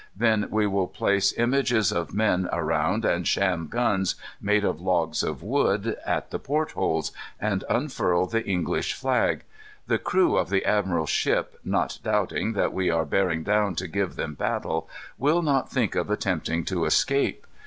Then we will place images of men around, and sham guns, made of logs of wood, at the port holes, and unfurl the English flag. The crew of the admiral's ship, not doubting that we are bearing down to give them battle, will not think of attempting to escape.